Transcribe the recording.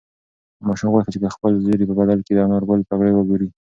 ماشوم غوښتل چې د خپل زېري په بدل کې د انارګل پګړۍ وګوري.